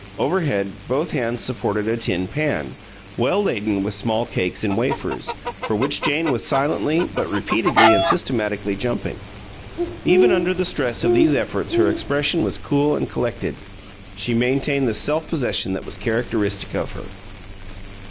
Overhead, both hands supported a tin pan, well laden with small cakes and wafers, for which Jane was silently but repeatedly and systematically jumping. Even under the stress of these efforts her expression was cool and collected; she maintained the self possession that was characteristic of her.